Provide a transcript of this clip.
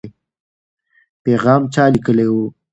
پیغام چا لیکلی و؟